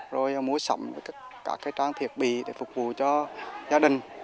rồi mua sắm các trang thiết bị để phục vụ cho gia đình